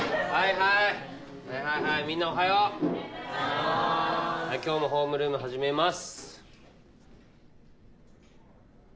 はい今日もホームルーム始めます。